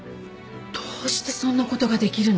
どうしてそんなことができるの？